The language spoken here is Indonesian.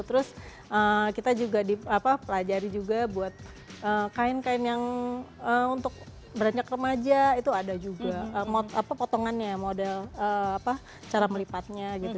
terus kita juga dipelajari juga buat kain kain yang untuk beranjak remaja itu ada juga potongannya model cara melipatnya gitu